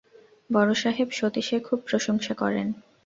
বড়োসাহেব সতীশের খুব প্রসংসা করেন।